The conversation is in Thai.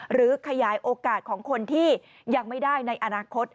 หรือขยายโอกาสของคนที่ยังไม่ได้ในอนาคต